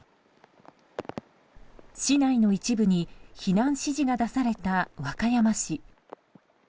市内の一部に避難指示が出された和歌山市。